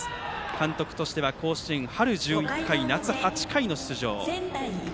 監督としては甲子園、春１１回夏８回の出場。